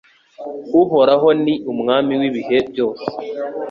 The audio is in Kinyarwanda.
Uhoraho ni Umwami w’ibihe byose